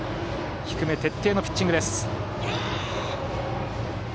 低め徹底のピッチングです。